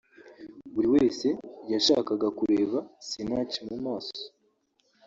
buri wese yashakaga kureba Sinach mu maso